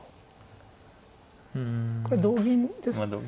これ同銀ですと。